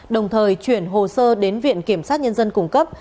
đồng thời chuyển hồ sơ đến viện kiểm sát nhân dân cung cấp